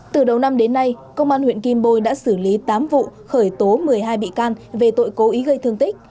từ đầu năm đến nay công an huyện kim bôi đã xử lý tám vụ khởi tố một mươi hai bị can về tội cố ý gây thương tích